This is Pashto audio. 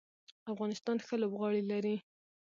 افغانستان ښه لوبغاړي لري.